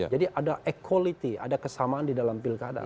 jadi ada equality ada kesamaan di dalam pilkada